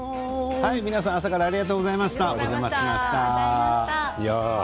朝からありがとうございました。